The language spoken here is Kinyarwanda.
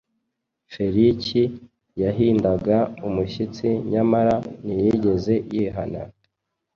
Feliki yahindaga umushitsi nyamara ntiyigeze yihana.